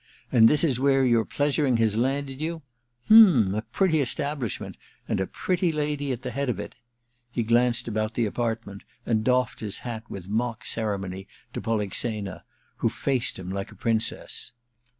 And this is where your pleasuring has landed you ? H*m — a pretty establishment, and a pretty lady at the head of it.* He glanced about the apartment, and doffed his hat with 344 A VENETIAN NIGHTS iii mock ceremony to Polixena, who faced him like a princess.